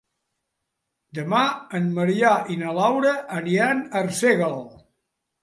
Demà en Maria i na Laura aniran a Arsèguel.